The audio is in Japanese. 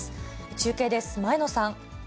中継です、前野さん。